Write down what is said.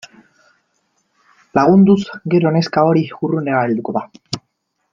Lagunduz gero neska hori urrunera helduko da.